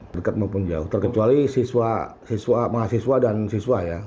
dekat maupun jauh terkecuali mahasiswa dan siswa ya